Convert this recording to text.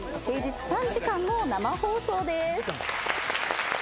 平日３時間の生放送です。